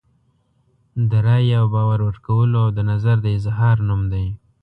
د رایې او باور ورکولو او د نظر د اظهار نوم دی.